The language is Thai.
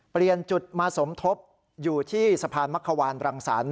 เปลี่ยนจุดมาสมทบอยู่ที่สะพานมักขวานรังสรรค